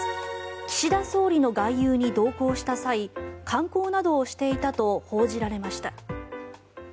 岸田総理の外遊に同行した際観光などをしていたと報じられました。